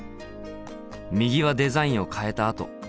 右はデザインを変えたあと。